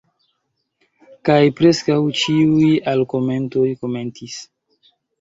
Kaj preskaŭ ĉiuj alkomentoj komentis: